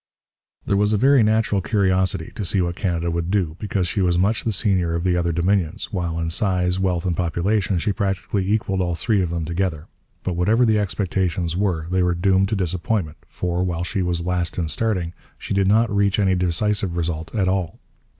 There was a very natural curiosity to see what Canada would do, because she was much the senior of the other dominions, while in size, wealth, and population she practically equalled all three of them together. But whatever the expectations were, they were doomed to disappointment, for, while she was last in starting, she did not reach any decisive result at all.